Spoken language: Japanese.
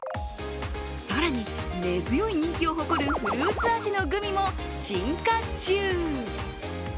更に根強い人気を誇るフルーツ味のグミも進化中。